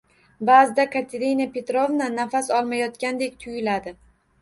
Baʼzida Katerina Petrovna nafas olmayotgandek tuyuladi.